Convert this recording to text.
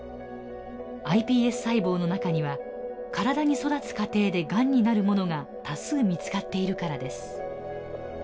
ｉＰＳ細胞の中には体に育つ過程でがんになるものが多数見つかっているからです。